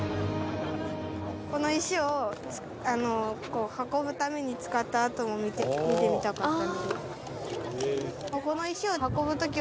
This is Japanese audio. この石を運ぶために使った跡も見てみたかったので。